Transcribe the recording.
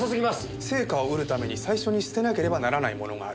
「成果を得るために最初に捨てなければならないものがある」